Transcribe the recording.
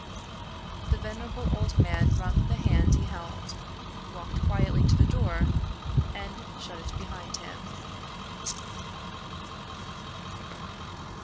The venerable old man wrung the hand he held, walked quickly to the door, and shut it behind him.